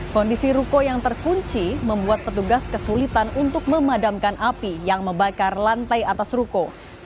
kondisi ruko yang terkunci membuat petugas kesulitan untuk memadamkan api yang membakar lantai atas ruko